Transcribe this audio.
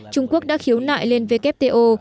trung quốc đã khiếu nại lên vkto